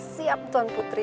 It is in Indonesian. siap tuan putri